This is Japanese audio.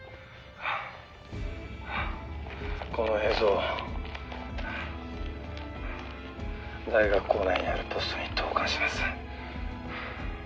「この映像を大学構内にあるポストに投函します」